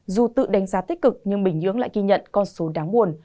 dù tự đánh giá tích cực nhưng bình nhưỡng lại ghi nhận con số đáng buồn